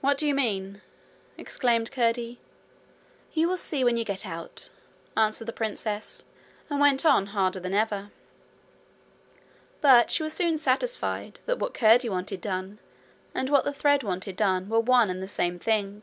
'What do you mean?' exclaimed Curdie. 'You will see when you get out,' answered the princess, and went on harder than ever. But she was soon satisfied that what Curdie wanted done and what the thread wanted done were one and the same thing.